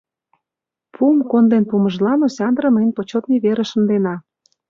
— Пуым конден пуымыжлан Осяндрым эн почётный верыш шындена!